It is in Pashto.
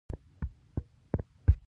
افغانستان د ګاز د ساتنې لپاره قوانین لري.